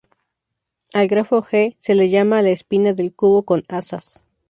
Al grafo G se le llama la espina del cubo con asas.